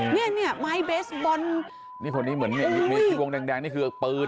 เนี่ยเนี่ยไม้เบสบอลนี่คนนี้เหมือนมีที่วงแดงแดงนี่คือปืน